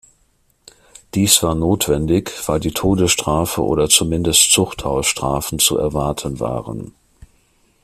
Dies war notwendig, weil die Todesstrafe oder zumindest Zuchthausstrafen zu erwarten waren.